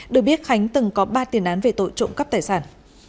được biết khánh từng có ba tiền án về tội trộm cắp tài sản